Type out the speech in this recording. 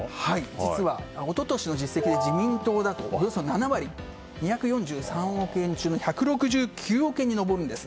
実は一昨年の実績で自民党だとおよそ７割２４３億円中の１６９億円に上るんです。